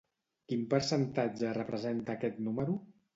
Quin percentatge representa aquest número?